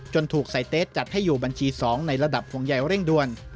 ถูกไซเตสจัดให้อยู่บัญชี๒ในระดับห่วงใหญ่เร่งด่วน